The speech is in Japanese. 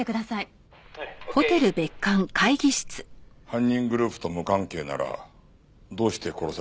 犯人グループと無関係ならどうして殺されたんだ？